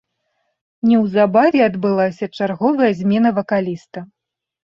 Неўзабаве адбылася чарговая змена вакаліста.